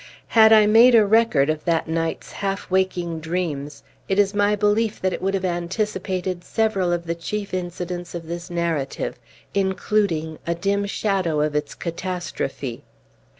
Had I made a record of that night's half waking dreams, it is my belief that it would have anticipated several of the chief incidents of this narrative, including a dim shadow of its catastrophe.